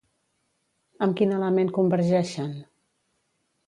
Amb quin element convergeixen?